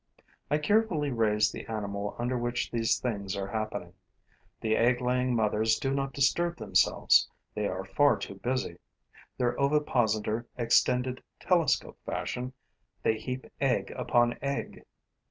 I carefully raise the animal under which these things are happening. The egg laying mothers do not disturb themselves; they are far too busy. Their ovipositor extended telescope fashion, they heap egg upon egg.